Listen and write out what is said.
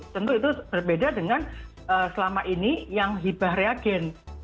tentu itu berbeda dengan selama ini yang hibah reagen